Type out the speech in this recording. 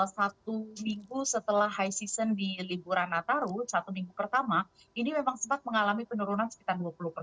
satu minggu setelah high season di liburan nataru satu minggu pertama ini memang sempat mengalami penurunan sekitar dua puluh persen